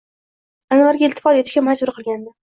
Anvarga iltifot etishga majbur qilgandi”.